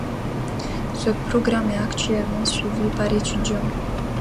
Ce programme est actuellement suivi par étudiants.